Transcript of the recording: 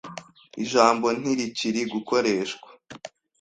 Ijambo ntirikiri gukoreshwa.